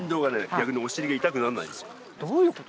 逆にお尻が痛くなんないんですよどういうこと？